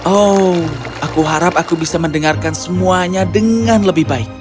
oh aku harap aku bisa mendengarkan semuanya dengan lebih baik